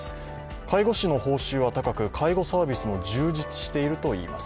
介護士の報酬は高く、介護サービスも充実しているといいます。